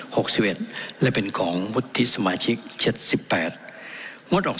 หกสิบเอ็ดและเป็นของวุฒิสมาชิกเจ็ดสิบแปดงดออก